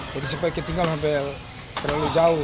jadi sampai ketinggalan sampai terlalu jauh